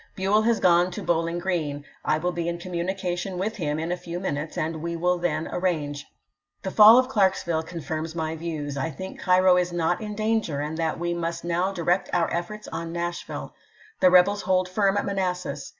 " Buell has gone to Bowhng Green. I will be in communication with him in a few minutes, and we will then arrange. The fall of Clarksville confirms my views. I think Cairo is not in danger, and that we must now direct our eiforts on Nashville. The rebels hold firm at Manassas.